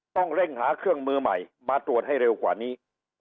ต้องเร่งหาเครื่องมือใหม่มาตรวจให้เร็วกว่านี้